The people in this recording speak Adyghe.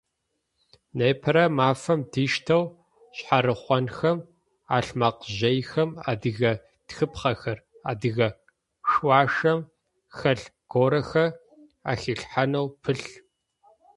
Непэрэ мафэм диштэу шъхьарыхъонхэм, ӏэлъмэкъыжъыехэм адыгэ тхыпхъэхэр, адыгэ шъуашэм хэлъ горэхэр ахилъхьанэу пылъ.